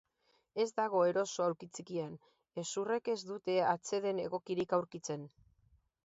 Ez dago eroso aulki ttikian, hezurrek ez dute atseden egokirik aurkitzen.